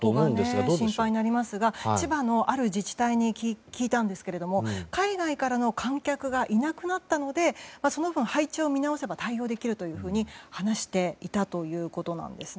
そこが心配ですが千葉のある自治体に聞いたんですけれども海外からの観客がいなくなったのでその分、配置を見直せば対応できるというふうに話していたということですね。